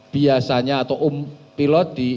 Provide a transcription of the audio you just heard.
biasanya atau um pilot